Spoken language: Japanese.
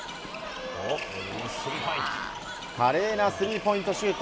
華麗なスリーポイントシュート。